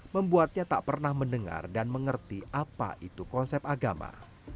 membuatnya tak pernah mendengar dan mengerti apa itu konsep agama